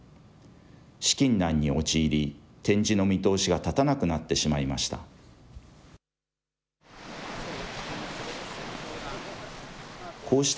資金難に陥り、展示の見通しが立たなくなってしまいました。